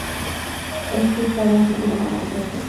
Este estado sí que necesita tratamiento.